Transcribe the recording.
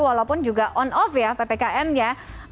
walaupun juga on off ya ppkm nya